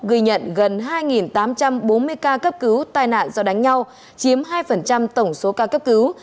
ghi nhận gần hai tám trăm bốn mươi ca cấp cứu tai nạn do đánh nhau chiếm hai tổng số ca cấp cứu